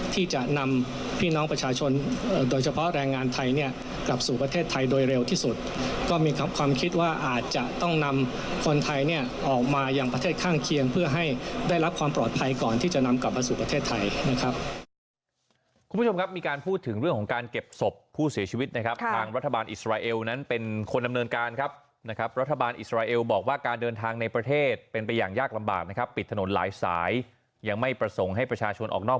ที่จะนำพี่น้องประชาชนโดยเฉพาะแรงงานไทยเนี่ยกลับสู่ประเทศไทยโดยเร็วที่สุดก็มีความคิดว่าอาจจะต้องนำคนไทยเนี่ยออกมาอย่างประเทศข้างเคียงเพื่อให้ได้รับความปลอดภัยก่อนที่จะนำกลับสู่ประเทศไทยนะครับคุณผู้ชมครับมีการพูดถึงเรื่องของการเก็บศพผู้เสียชีวิตนะครับทางรัฐบาลอิสรา